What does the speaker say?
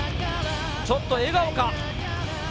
ちょっと笑顔か。